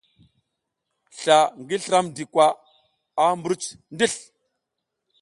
Sla ngi Slramdi kwa a mbruc disl.